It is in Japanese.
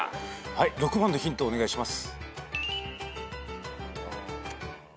６番のヒントをお願いします。